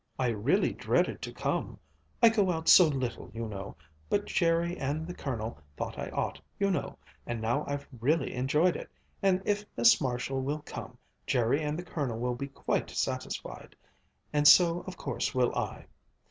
"I really dreaded to come I go out so little, you know but Jerry and the Colonel thought I ought, you know and now I've really enjoyed it and if Miss Marshall will come, Jerry and the Colonel will be quite satisfied. And so, of course, will I."